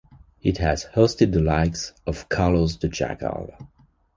It has hosted the likes of Carlos the Jackal.